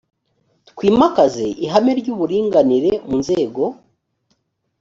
twimakaze ihame ry ‘uburinganire mu nzego.